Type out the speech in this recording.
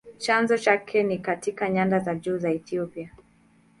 Chanzo chake ni katika nyanda za juu za Ethiopia.